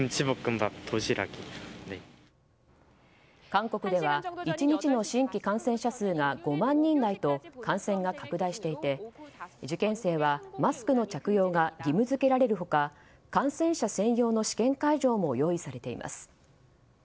韓国では１日の新規感染者数が５万人台と感染が拡大していて、受験生はマスクの着用が義務付けられる他感染者専用の試験会場も用意されています。